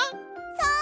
そう！